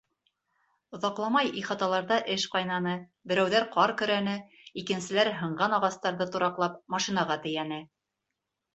Оҙаҡламай ихаталарҙа эш ҡайнаны: берәүҙәр ҡар көрәне, икенселәр һынған ағастарҙы тураҡлап машинаға тейәне.